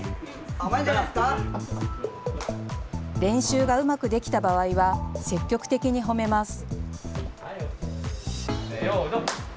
練習がうまくできた場合は積極的に褒めます。